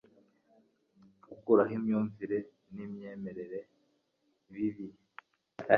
gukuraho imyumvire n'imyemereren bibi